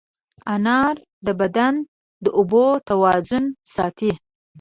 انار د بدن د اوبو توازن ساتي.